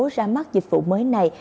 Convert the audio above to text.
ra mắt dịch vụ mới này